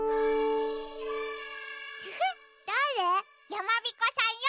やまびこさんよ。